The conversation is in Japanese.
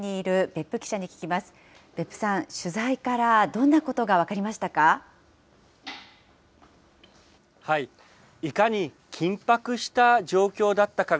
別府さん、取材からどんなことが分かりましたか。